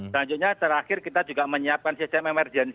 selanjutnya terakhir kita juga menyiapkan ccms